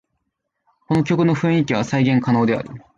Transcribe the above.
この曲の雰囲気は再現可能である